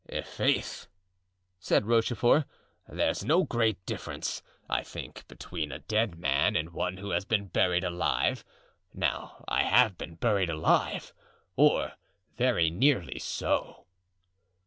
"I'faith," said Rochefort, "there's no great difference, I think, between a dead man and one who has been buried alive; now I have been buried alive, or very nearly so."